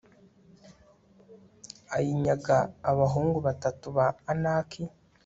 ayinyaga abahungu batatu ba anaki